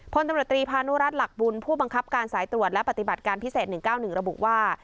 พลตำรวจตรีพานุรัติหลักบุญผู้บังคับการสายตรวจและปฏิบัติการพิเศษ๑๙๑ระบุว่า